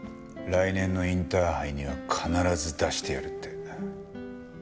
来年のインターハイには必ず出してやるって。